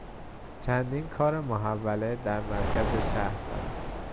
چندین کار محوله در مرکز شهر دارم.